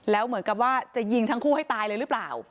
แล้วเหมือนกับว่าจะยิงทั้งคู่ให้ตายเลยหรือเปล่า